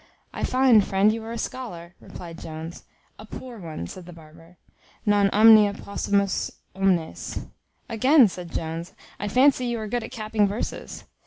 "I find, friend, you are a scholar," replied Jones. "A poor one," said the barber, "non omnia possumus omnes." "Again!" said Jones; "I fancy you are good at capping verses."